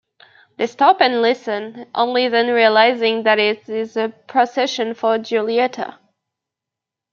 They stop and listen, only then realising that it a procession for Giulietta.